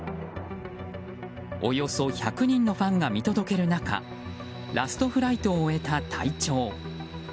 およそ１００人のファンが見届ける中ラストフライトを終えた隊長。